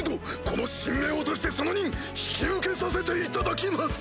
この身命を賭してその任引き受けさせていただきます！